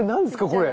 これ。